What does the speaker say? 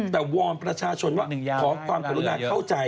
แต่วอนประชาชนว่าขอความกรุณาเข้าใจ